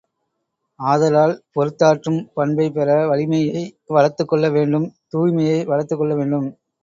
ஆதலால் பொறுத்தாற்றும் பண்பைப் பெற வலிமையை வளர்த்துக்கொள்ள வேண்டும் தூய்மையை வளர்த்துக்கொள்ள வேண்டும்.